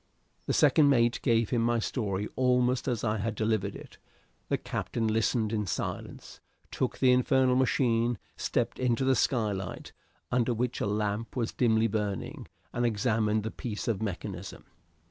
The second mate gave him my story almost as I had delivered it. The captain listened in silence, took the infernal machine, stepped to the skylight, under which a lamp was dimly burning, and examined the piece of mechanism.